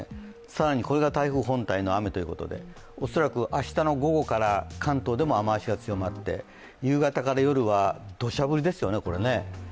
更にこれが台風本体の雨ということで、恐らく明日の午後から関東でも雨足が強まって夕方から夜はどしゃ降りですよね、これね。